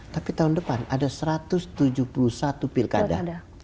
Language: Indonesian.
tapi tahun depan ada satu ratus tujuh puluh satu pilkada